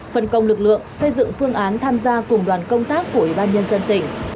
phần công lực lượng xây dựng phương án tham gia cùng đoàn công tác của ủy ban nhân dân tỉnh